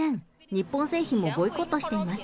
日本製品もボイコットしています。